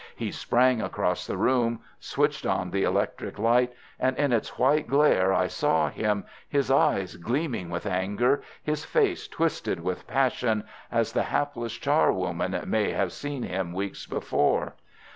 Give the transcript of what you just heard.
He sprang across the room, switched on the electric light, and in its white glare I saw him, his eyes gleaming with anger, his face twisted with passion, as the hapless charwoman may have seen him weeks before.